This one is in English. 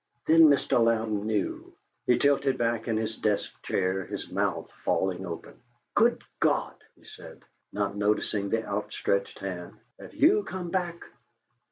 Then Mr. Louden knew; he tilted back in his desk chair, his mouth falling open. "Good God!" he said, not noticing the out stretched hand. "Have YOU come back?"